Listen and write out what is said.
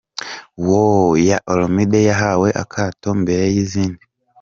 Wo ya Olamide yahawe akato mbere y’izindi.